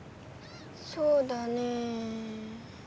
そうだねぇ。